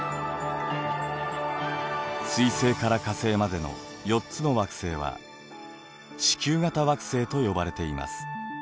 水星から火星までの４つの惑星は地球型惑星と呼ばれています。